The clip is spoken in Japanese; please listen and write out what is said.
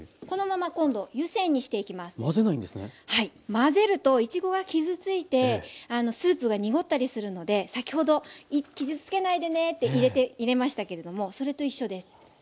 混ぜるといちごが傷ついてスープが濁ったりするので先ほど傷つけないでねって入れましたけれどもそれと一緒です。